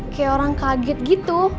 kayak orang kaget gitu